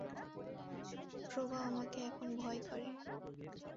প্রভা আমাকে এখন ভয় করে।